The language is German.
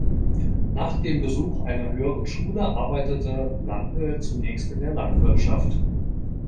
Nach dem Besuch einer höheren Schule arbeitete Lampl zunächst in der Landwirtschaft.